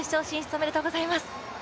おめでとうございます。